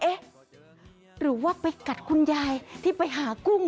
เอ๊ะหรือว่าไปกัดคุณยายที่ไปหากุ้ง